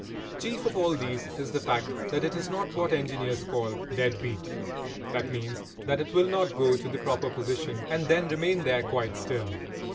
Chief of all these is the fact that it is not what engineers call "dead beat." That means that it will not go to the proper position and then remain there quite still.